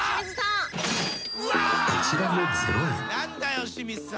［こちらもゼロ円］